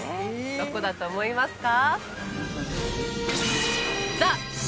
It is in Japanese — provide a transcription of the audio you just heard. どこだと思いますか？